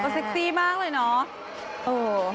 เซ็กซี่มากเลยเนาะ